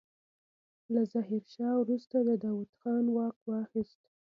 له ظاهرشاه وروسته داوود خان واک واخيست.